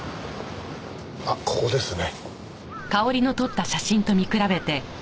あっここですね。